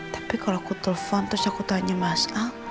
tapi kalau aku telfon terus aku tanya mas al